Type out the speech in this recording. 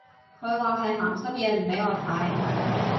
佢話係鹹濕嘢唔俾我睇